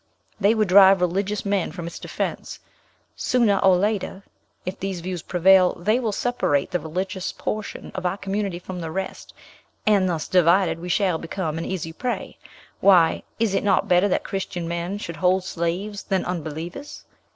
They would drive religious men from its defence. Sooner or later, if these views prevail, they will separate the religious portion of our community from the rest, and thus divided we shall become an easy prey. Why, is it not better that Christian men should hold slaves than unbelievers?